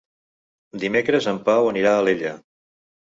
Dimecres en Pau anirà a Alella.